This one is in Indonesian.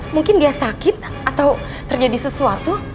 mungkin dia sakit atau terjadi sesuatu